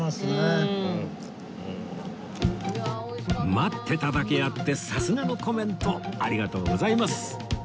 待ってただけあってさすがのコメントありがとうございます